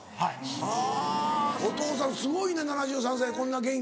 はぁお父さんすごいね７３歳でこんな元気。